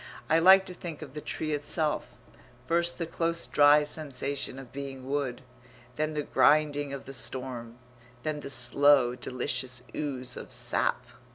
I like to think of the tree itself: first the close dry sensation of being wood; then the grinding of the storm; then the slow, delicious ooze of sap.